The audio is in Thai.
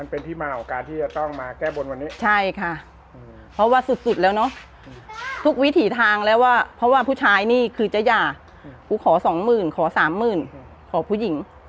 เพราะว่าผู้ชายนี่คือจะหย่ากูขอสองหมื่นขอสามหมื่นขอผู้หญิง